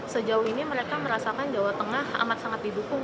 sejauh ini mereka merasakan jawa tengah amat sangat didukung